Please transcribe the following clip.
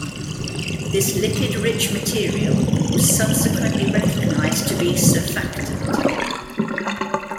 This lipid rich material was subsequently recognized to be surfactant.